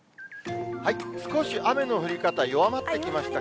少し雨の降り方、弱まってきました。